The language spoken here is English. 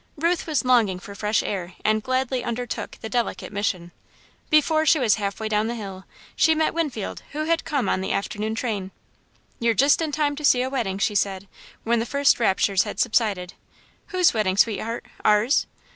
Ruth was longing for fresh air and gladly undertook the delicate mission. Before she was half way down the hill, she met Winfield, who had come on the afternoon train. "You're just in time to see a wedding," she said, when the first raptures had subsided. "Whose wedding, sweetheart? Ours?"